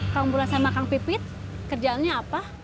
kang pula sama kang pipit kerjaannya apa